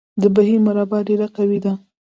د بهي مربا ډیره مقوي ده.